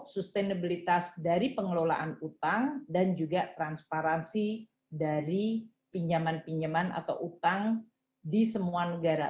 sustenabilitas dari pengelolaan utang dan juga transparansi dari pinjaman pinjaman atau utang di semua negara